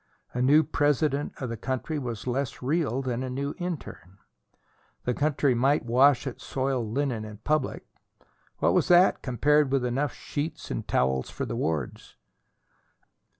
A new President of the country was less real than a new interne. The country might wash its soiled linen in public; what was that compared with enough sheets and towels for the wards?